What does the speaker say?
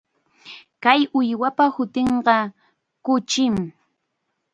Kay uywapa hutinqa kuchim.